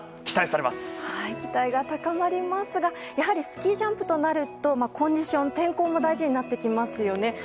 期待が高まりますがやはりスキージャンプとなるとコンディション天候も大事になってきますよね。